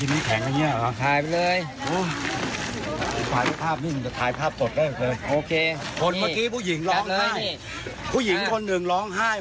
น้ำยังไม่พอส่งเลย